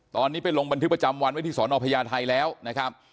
ตอนนี้ไปลงบันทึกประจำวันไว้ที่สอนอพญาไทยแล้วนะครับ